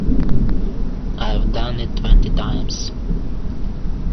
I've done it twenty times!